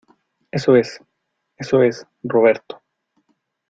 eso es. eso es, Roberto .